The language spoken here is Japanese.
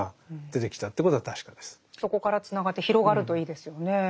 そこからつながって広がるといいですよねえ。